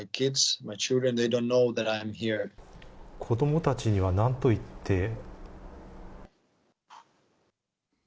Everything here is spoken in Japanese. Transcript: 子どもたちにはなんといって。